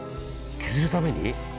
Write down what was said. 削るために？